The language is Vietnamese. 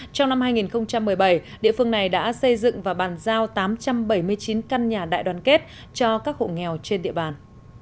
trong năm hai nghìn một mươi bảy địa phương này đã xây dựng và bàn giao tám trăm bảy mươi chín căn nhà đại đoàn kết cho các hộ nghèo trên địa bàn